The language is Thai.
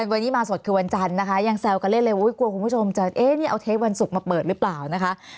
วันนี้มาสดคือวันจันทร์นะคะยังแซวกันเล่นเลยกลัวคุณผู้ชมจะเอ๊ะนี่เอาเทปวันศุกร์มาเปิดหรือเปล่านะคะ